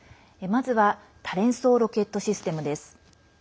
まずは多連装ロケットシステムです。